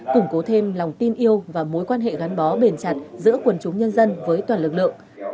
củng cố thêm lòng tin yêu và mối quan hệ gắn bó bền chặt giữa quần chúng nhân dân với toàn lực lượng